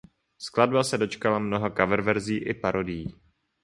Skladba se dočkala mnoha coververzí i parodií.